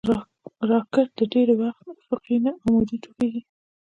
راکټ ډېری وخت افقي نه، عمودي توغېږي